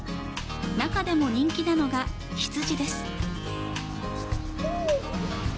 中でも人気なのが羊です。